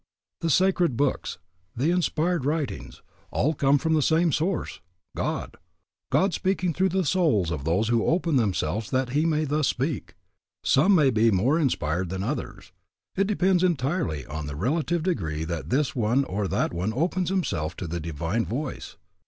The sacred books, the inspired writings, all come from the same source, God, God speaking through the souls of those who open themselves that He may thus speak. Some may be more inspired than others. It depends entirely on the relative degree that this one or that one opens himself to the Divine voice.